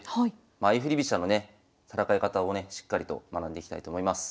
相振り飛車のね戦い方をねしっかりと学んでいきたいと思います。